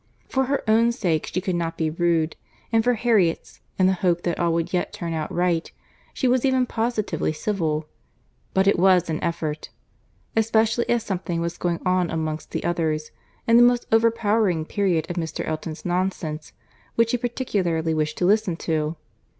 For her own sake she could not be rude; and for Harriet's, in the hope that all would yet turn out right, she was even positively civil; but it was an effort; especially as something was going on amongst the others, in the most overpowering period of Mr. Elton's nonsense, which she particularly wished to listen to.